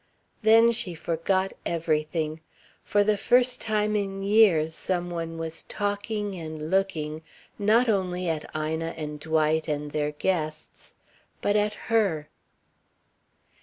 Then she forgot everything. For the first time in years some one was talking and looking not only at Ina and Dwight and their guests, but at her.